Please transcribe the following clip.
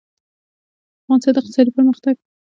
د افغانستان د اقتصادي پرمختګ لپاره پکار ده چې خبریالان وي.